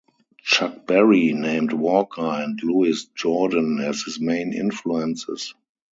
Chuck Berry named Walker and Louis Jordan as his main influences.